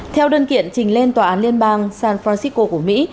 theo đơn kiện trình lên tòa án liên bang san francisco của mỹ